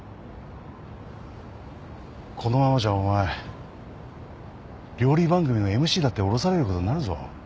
このままじゃお前料理番組のＭＣだって降ろされることになるぞ。